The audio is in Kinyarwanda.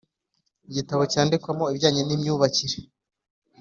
Igitabo cyandikwamo ibijyanye n imyubakire